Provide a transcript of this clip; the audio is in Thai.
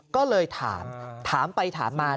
ก็เลยถามถามไปถามมา